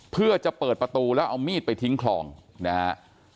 เพื่อจะเปิดประตูแล้วเอามีดไปทิ้งคลองนะฮะ